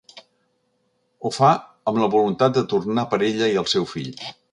Ho fa, amb la voluntat de tornar per ella i el seu fill.